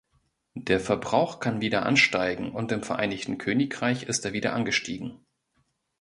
Der Verbrauch kann wieder ansteigen, und im Vereinigten Königreich ist er wieder angestiegen.